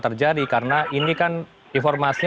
terjadi karena ini kan informasi